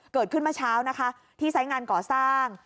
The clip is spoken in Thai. เกิดขึ้นเมื่อเช้านะคะที่ไซส์งานก่อสร้าง